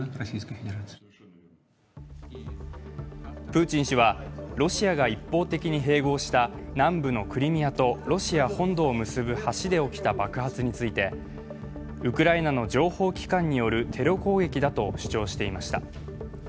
プーチン氏は、ロシアが一方的に併合した南部のクリミアとロシア本土を結ぶ橋で起きた爆発についてウクライナの情報機関によるテロ攻撃だと主張していました。